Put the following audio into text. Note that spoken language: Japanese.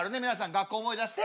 学校思い出して。